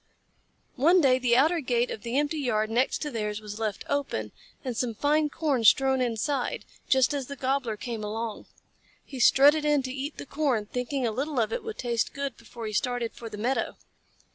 One day the outer gate of the empty yard next to theirs was left open and some fine corn strewn inside, just as the Gobbler came along. He strutted in to eat the corn, thinking a little of it would taste good before he started for the meadow.